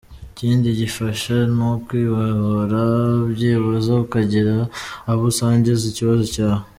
Ikindi gifasha ni ukwibohora byibuze ukagira abo usangiza ikibazo cyawe.